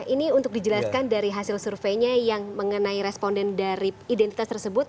ini untuk dijelaskan dari hasil surveinya yang mengenai responden dari identitas tersebut